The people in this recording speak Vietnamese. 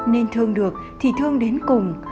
nên thương được thì thương đến cùng